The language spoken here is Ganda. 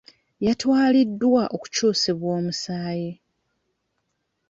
Yatwaliddwa okukyusibwa omusaayi.